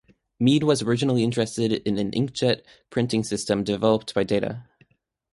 Mead was originally interested in an inkjet printing system developed by Data.